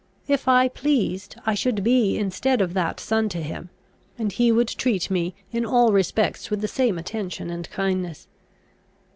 If I pleased, I should be instead of that son to him, and he would treat me in all respects with the same attention and kindness."